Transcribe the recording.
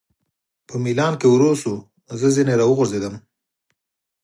په مېلان کې ورو شو، زه ځنې را وغورځېدم.